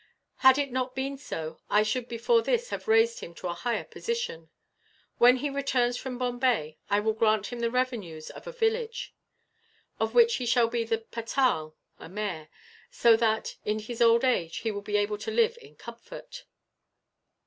Had it not been so, I should before this have raised him to a higher position. When he returns from Bombay, I will grant him the revenues of a village, of which he shall be the patal [a mayor]; so that, in his old age, he will be able to live in comfort."